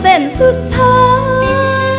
เส้นสุดท้าย